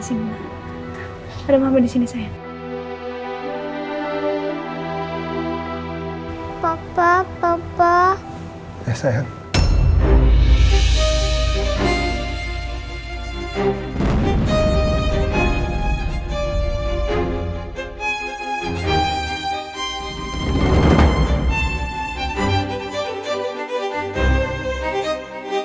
sayang ada mama disini